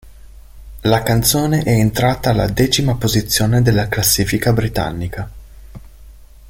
La canzone è entrata alla decima posizione della classifica britannica.